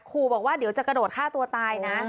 ขู่บอกว่าเดี๋ยวจะกระโดดฆ่าตัวตายนะ